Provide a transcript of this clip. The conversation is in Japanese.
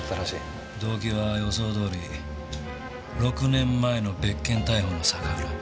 動機は予想どおり６年前の別件逮捕の逆恨み。